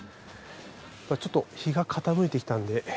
ちょっと日が傾いてきたんで。